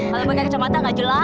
kalau pakai kacamata nggak jelas